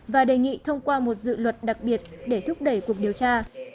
và đề nghị thông qua một dự luật đặc biệt để thúc đẩy cuộc điều tra